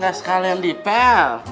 gak sekalian dipel